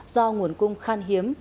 do nguồn cung khan hiếm